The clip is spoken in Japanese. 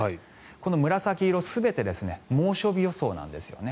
この紫色、全て猛暑日予想なんですよね。